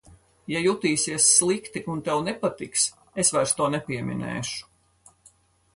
Ja jutīsies slikti un tev nepatiks, es vairs to nepieminēšu.